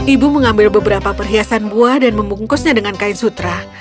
ibu mengambil beberapa perhiasan buah dan membungkusnya dengan kain sutra